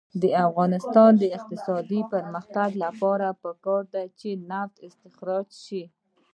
د افغانستان د اقتصادي پرمختګ لپاره پکار ده چې نفت استخراج شي.